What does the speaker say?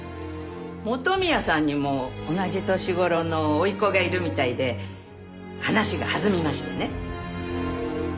元宮さんにも同じ年頃の甥っ子がいるみたいで話が弾みましてね。